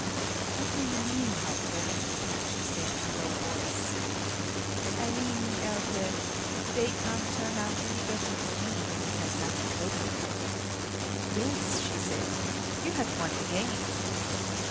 "What do you mean, Hauke?" she said in a low voice. "I mean, Elke, the day can't turn out any better for me than it has done already." "Yes," she said, "you have won the game."